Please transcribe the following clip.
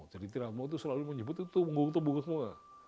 jadi triatmo itu selalu menyebut itu temenggung temenggung semua